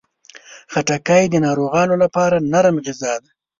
خټکی د ناروغانو لپاره نرم غذا ده.